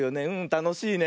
たのしいね。